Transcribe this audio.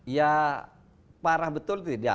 ya parah betul tidak